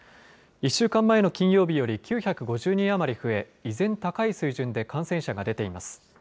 １週間前の金曜日より９５０人余り増え、依然高い水準で感染者が出ています。